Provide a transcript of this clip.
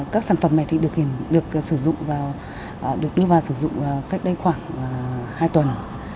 các sản phẩm này được đưa vào sử dụng cách đây khoảng hai tuần